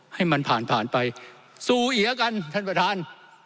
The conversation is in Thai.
ให้มันผ่านผ่านไปซูเอียกันท่านประธาน